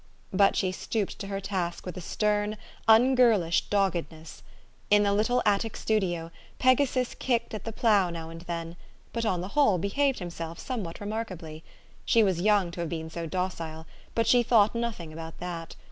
But she stooped to her task with a stern, ungirlish doggedness. In the little attic studio, Pegasus kicked at the plough now and then, but, on the whole, behaved himself somewhat remarkably. She was young to have been so docile ; but she thought nothing about that.